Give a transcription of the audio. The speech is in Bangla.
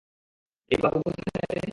এই বাবু, কোথায় রে?